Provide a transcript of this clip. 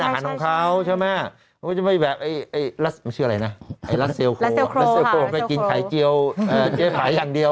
เปลี่ยนไข่เจียวแฟร์อย่างเดียว